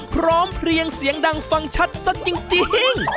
พร้อมเพลียงเสียงดังฟังชัดซะจริง